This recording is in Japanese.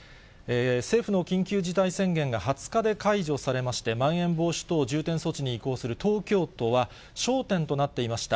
政府の緊急事態宣言が２０日で解除されまして、まん延防止等重点措置に移行する東京都は、焦点となっていました